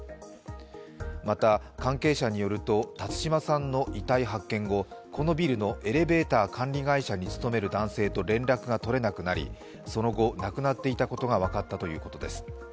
また関係者によると辰島さんの遺体発見後、このビルのエレベーター管理会社に勤める男性と連絡が取れなくなりその後、亡くなっていたことが分かったということです。